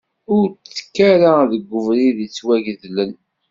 Ur tekk ara deg ubrid yettwagedlen.